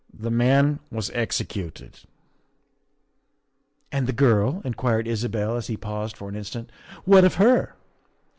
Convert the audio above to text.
The man was executed." "And the girl," inquired Isabel as he paused for an instant, " what of her?"